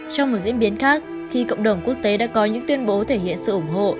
trong một diễn biến khác khi cộng đồng quốc tế đã có những tuyên bố thể hiện sự ủng hộ